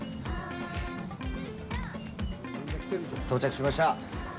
到着しました。